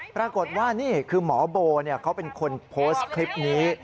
ปรากฏว่านี่คือหมอโบเขาเป็นคนโพสต์คลิปนี้